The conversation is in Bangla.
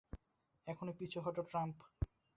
এখনই পিছু হটো!